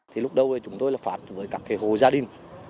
thì lúc đầu chúng tôi là phạt với các hồ gia đình